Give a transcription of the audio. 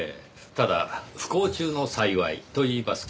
ただ不幸中の幸いといいますか。